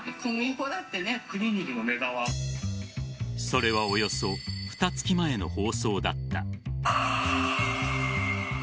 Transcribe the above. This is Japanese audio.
それはおよそふた月前の放送だった。